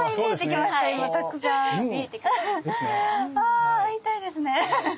あ会いたいですね。